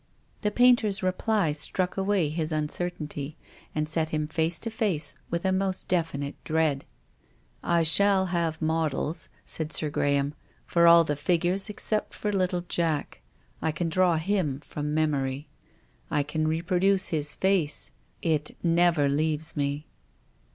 The painter's reply struck away his uncertainty, and set him face to face with a most definite dread. " I shall have models," said Sir Graham, " for all the figures except for little Jack. I can draw him from memory. I can reproduce his face. It never leaves me."